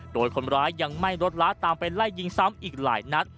โดยคนร้ายยังไหม้รถล้าตามไปไล่ยิงซ้ำอีกหลายนัด